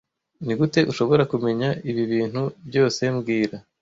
Nigute ushobora kumenya ibi bintu byose mbwira